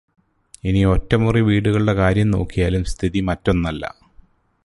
ഇനി ഒറ്റമുറി വീടുകളുടെ കാര്യം നോക്കിയാലും സ്ഥിതി മറ്റൊന്നല്ല.